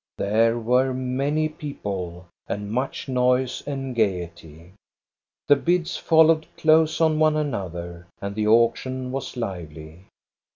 There were many people, and much noise and gayety. The bids fol lowed close on one another, and the auction was lively.